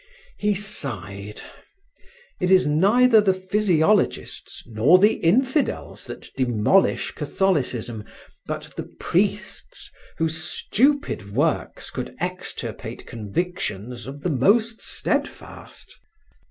He sighed. It is neither the physiologists nor the infidels that demolish Catholicism, but the priests, whose stupid works could extirpate convictions the most steadfast.